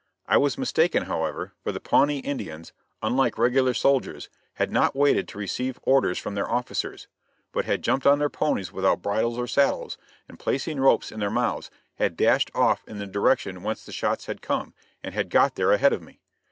I was mistaken, however, for the Pawnee Indians, unlike regular soldiers, had not waited to receive orders from their officers, but had jumped on their ponies without bridles or saddles, and placing ropes in their mouths, had dashed off in the direction whence the shots had come, and had got there ahead of me.